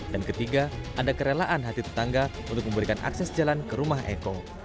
dan ketiga ada kerelaan hati tetangga untuk memberikan akses jalan ke rumah eko